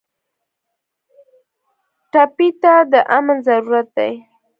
ټپي ته د امن ضرورت دی.